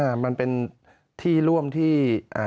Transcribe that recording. หลังบ้านที่เป็นฝั่งตรงใช่ไหมครับ